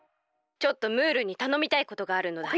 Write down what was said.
ちょっとムールにたのみたいことがあるのだ。